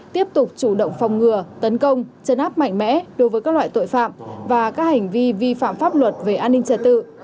tiếp tục chủ động phòng ngừa tấn công chấn áp mạnh mẽ đối với các loại tội phạm và các hành vi vi phạm pháp luật về an ninh trật tự